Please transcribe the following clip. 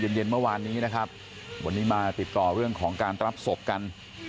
เย็นเย็นเมื่อวานนี้นะครับวันนี้มาติดต่อเรื่องของการรับศพกัน